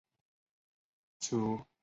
主要在内地经营各类纺织产品。